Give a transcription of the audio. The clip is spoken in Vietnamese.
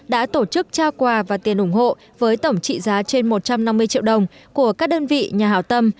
đã tổ chức trao quà và tiền ủng hộ với tổng trị giá trên một trăm năm mươi triệu đồng của các đơn vị nhà hảo tâm